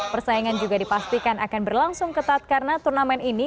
persaingan juga dipastikan akan berlangsung ketat karena turnamen ini